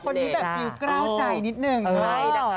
คนนี้แบบอยู่กล้าวใจนิดนึง